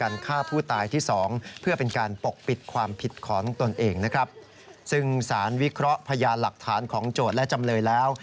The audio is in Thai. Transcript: ซึ่งสารวิเคราะห์พยานหลักฐานของโจทย์และจำเลยแล้ว